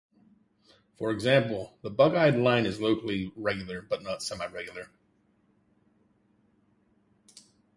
For example, the bug-eyed line is locally regular but not semiregular.